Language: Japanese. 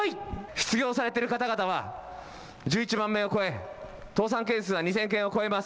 失業されている方々は１１万名を超え、倒産件数は２０００件を超えます。